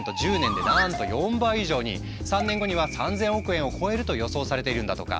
３年後には３，０００億円を超えると予想されているんだとか。